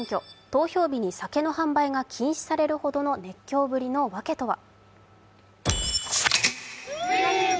投票日に酒の販売が禁止されるほどの熱狂ぶりのワケとは？